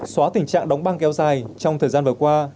xóa tình trạng đóng băng kéo dài trong thời gian vừa qua